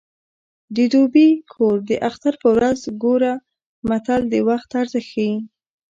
د دوبي کور د اختر په ورځ ګوره متل د وخت ارزښت ښيي